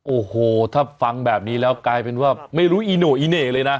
โอ้โหถ้าฟังแบบนี้แล้วกลายเป็นว่าไม่รู้อีโน่อีเหน่เลยนะ